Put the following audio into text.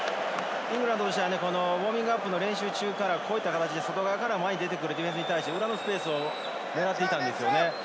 イングランドの試合、練習中からこういった形で外側から前に出てくるディフェンスに対して裏のスペースを狙っていたんですよね。